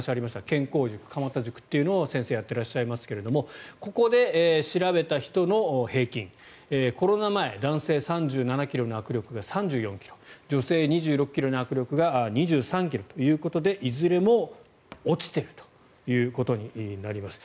健康塾鎌田塾を先生やっていらっしゃいますがここで調べた人の平均コロナ前男性３７ｋｇの握力が３４ｋｇ女性２６ｋｇの握力が２３ｋｇということでいずれも落ちているということになります。